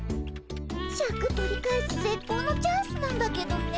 シャク取り返すぜっこうのチャンスなんだけどね。